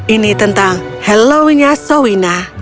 ini tentang halloweennya soina